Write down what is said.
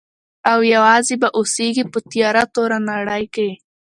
او یوازي به اوسیږي په تیاره توره نړۍ کي.